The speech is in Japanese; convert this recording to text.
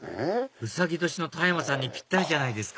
うさぎ年の田山さんにぴったりじゃないですか